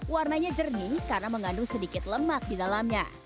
warnanya jernih karena mengandung sedikit lemak di dalamnya